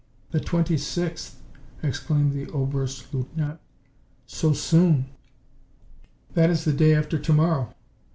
"The twenty sixth!" exclaimed the Oberst leutnant. "So soon! That is the day after to morrow."